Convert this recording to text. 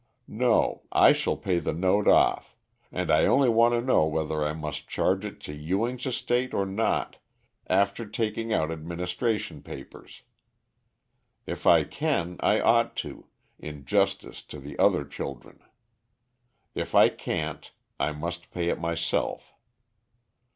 No, I shall pay the note off; and I only want to know whether I must charge it to Ewing's estate or not, after taking out administration papers. If I can, I ought to, in justice to the other children. If I can't, I must pay it myself.